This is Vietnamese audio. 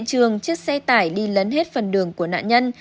trường chiếc xe tải đi lấn hết phần đường của nạn nhân